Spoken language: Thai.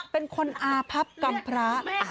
เป็นคนอาภัพกรรมพระ